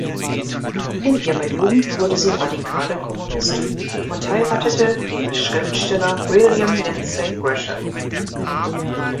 In ihrer Jugend wurde sie radikale Kommunistin und heiratete den Schriftsteller William Lindsay Gresham.